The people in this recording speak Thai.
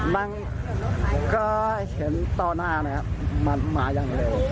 นั่งก็เห็นต่อหน้ามาอย่างเร็ว